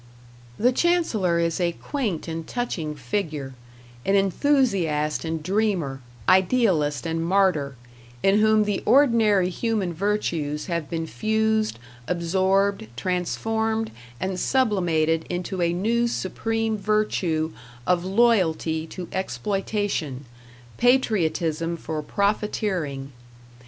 The Chancellor is a quaint and touching figure; an enthusiast and dreamer, idealist and martyr, in whom the ordinary human virtues have been fused, absorbed, transformed and sublimated into a new supreme virtue of loyalty to Exploitation, patriotism for Profiteering.